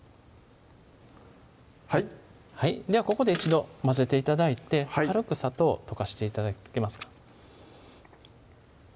はいではここで一度混ぜて頂いて軽く砂糖溶かして頂けますか？